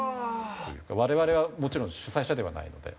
我々はもちろん主催者ではないので。